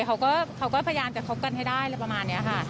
เขาก็เขาก็พยายามจะคบกันให้ได้เลยประมาณเนี้ยค่ะ